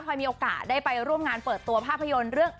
มีโอกาสได้ไปร่วมงานเปิดตัวภาพยนตร์เรื่อง